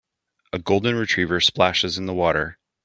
a golden retriever splashes in the water.